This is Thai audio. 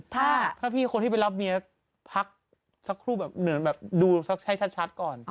ถ้าพี่คนที่ไปรับเมียพักสักครู่แบบเหมือนแบบดูให้ชัดก่อน